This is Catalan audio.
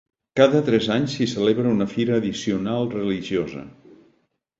Cada tres anys s'hi celebra una fira addicional religiosa.